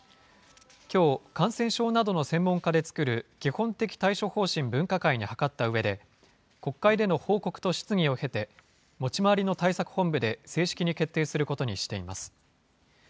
きょう、感染症などの専門家で作る基本的対処方針分科会に諮ったうえで、国会での報告と質疑を経て、持ち回りの対策本部で正式に決定することにしています。